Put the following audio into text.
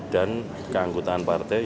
dan keanggotaan partai